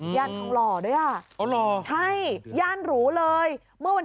ย่านของหล่อด้วยอ่ะใช่ย่านหรูเลยโอ้โหหล่อ